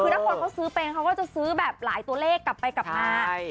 คือถ้าคนเขาซื้อเป็นเขาก็จะซื้อแบบหลายตัวเลขกลับไปกลับมา